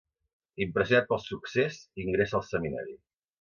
Impressionat pel succés, ingressa al Seminari.